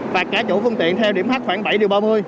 và cả chủ phương tiện theo điểm h khoảng bảy điều ba mươi